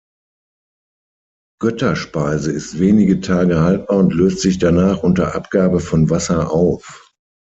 Götterspeise ist wenige Tage haltbar und löst sich danach unter Abgabe von Wasser auf.